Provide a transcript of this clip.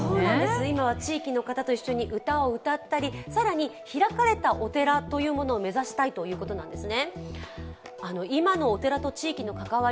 今は地域の方と一緒に歌を歌ったり更に開かれたお寺というものを目指したいということなんですね。